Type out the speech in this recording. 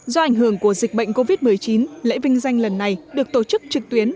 do ảnh hưởng của dịch bệnh covid một mươi chín lễ vinh danh lần này được tổ chức trực tuyến